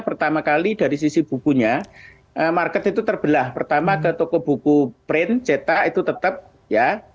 pertama kali dari sisi bukunya market itu terbelah pertama ke toko buku print cetak itu tetap ya